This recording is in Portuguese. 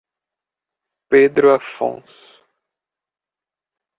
Pedro Afonso